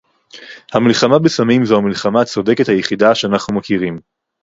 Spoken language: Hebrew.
המלחמה בסמים זו המלחמה הצודקת היחידה שאנחנו מכירים